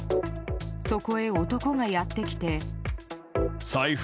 そこへ男がやってきて。